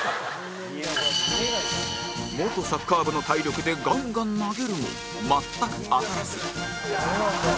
元サッカー部の体力でガンガン投げるも全く当たらず